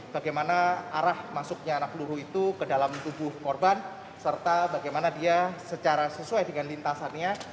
bagaimana arah masuknya anak peluru itu ke dalam tubuh korban serta bagaimana dia secara sesuai dengan lintasannya